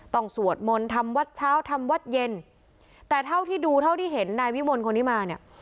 สวดมนต์ทำวัดเช้าทำวัดเย็นแต่เท่าที่ดูเท่าที่เห็นนายวิมลคนนี้มาเนี่ย